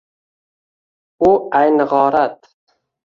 U ayni g’orat.